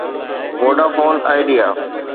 Vodafone Idea